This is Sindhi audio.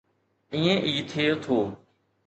ائين ئي ٿئي ٿو.